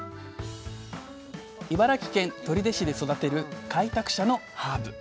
茨城県取手市で育てる開拓者のハーブ。